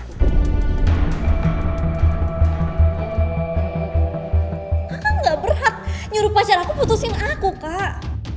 kamu gak berhak nyuruh pacar aku putusin aku kak